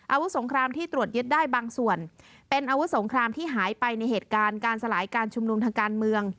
อาวุธสงครามที่ตรวจยึดได้บางส่วนเป็นอาวุธสงครามที่หายไปในเหตุการณ์การสลายการชุมนุมทางการเมือง